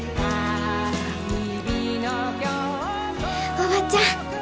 おばちゃん。